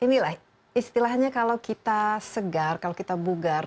kita sudah melihat ya istilahnya kalau kita segar kalau kita bugar